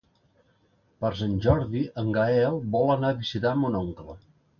Per Sant Jordi en Gaël vol anar a visitar mon oncle.